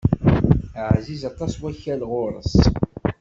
Ɛziz aṭas wakal ɣur-s.